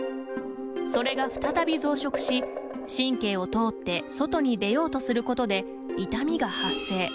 それが再び増殖し神経を通って外に出ようとすることで痛みが発生。